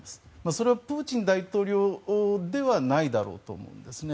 それはプーチン大統領ではないだろうと思いますね。